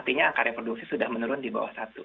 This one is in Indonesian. tentu itu angka reproduksi sudah menurun di bawah satu